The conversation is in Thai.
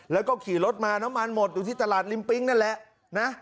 แล้วก็ขี่รถมาน้ำมันหมดอยู่ที่ตลาดริมปิ๊งนั่นแหละนะ